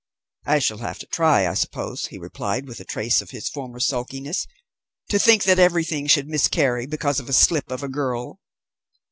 "I shall have to try, I suppose," he replied, with a trace of his former sulkiness. "To think that everything should miscarry because of a slip of a girl!"